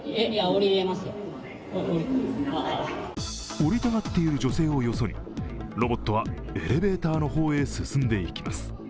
降りたがっている女性をよそにロボットはエレベーターの方へ進んでいきます。